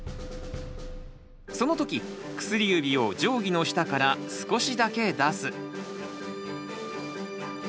その時薬指を定規の下から少しだけ出す。